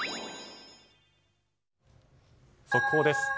速報です。